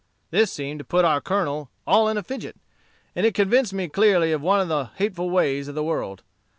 This seemed to put our Colonel all in a fidget; and it convinced me clearly of one of the hateful ways of the world.